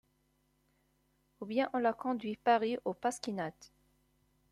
Ou bien on la conduit, parée, aux pasquinades